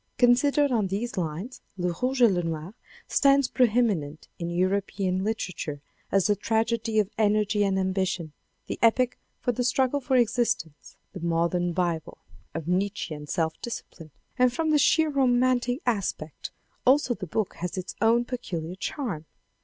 Considered on these lines Le Rouge et Le Noir stands pre eminent in European literature as the tragedy of energy and ambition, the epic of the struggle for existence, the modern Bible of Nietzchean self discipline. And from the sheer romantic aspect also the book has its own peculiar charm.